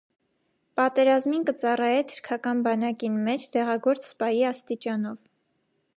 Պատերազմին կը ծառայէ թրքական բանակին մէջ, դեղագործ սպայի աստիճանով։